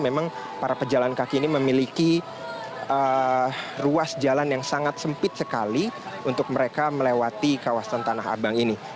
memang para pejalan kaki ini memiliki ruas jalan yang sangat sempit sekali untuk mereka melewati kawasan tanah abang ini